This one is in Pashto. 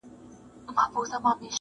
هم په غره هم په ځنګله کي کیسه سره سوه،